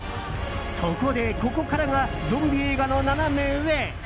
そこで、ここからがゾンビ映画のナナメ上。